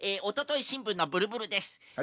おとといしんぶんのブルブルです。